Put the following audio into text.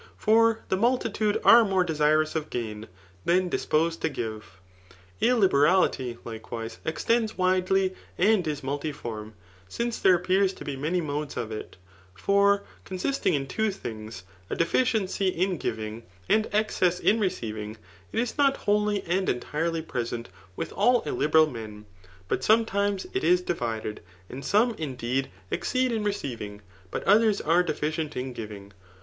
For the mul tiinde are more de^rous of gain, than disposed to give.. Iliiberality, likewise, extends widely, and is multiform ; since there appear to be many modes of it* For, consist ing ki two thipgs, a de6ciency in giving, and excess in re ceivings jt is not wholly and entirely present with all illi beral meani but sometime it is divided } and some, in Digitized by Google 133 THE KICOMACHEAN BOOK 1V« deed, exiceed ia receiving, but othefs are AAdeat m giving.